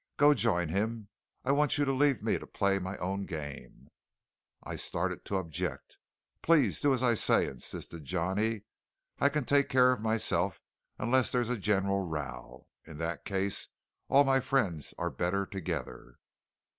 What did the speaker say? Go join him. I want you to leave me to play my own game." I started to object. "Please do as I say," insisted Johnny. "I can take care of myself unless there's a general row. In that case all my friends are better together."